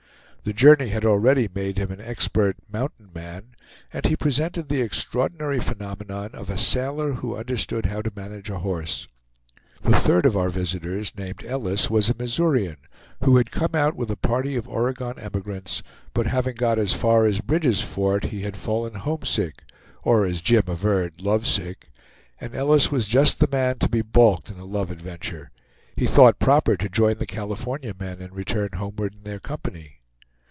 The journey had already made him an expert "mountain man," and he presented the extraordinary phenomenon of a sailor who understood how to manage a horse. The third of our visitors named Ellis, was a Missourian, who had come out with a party of Oregon emigrants, but having got as far as Bridge's Fort, he had fallen home sick, or as Jim averred, love sick and Ellis was just the man to be balked in a love adventure. He thought proper to join the California men and return homeward in their company.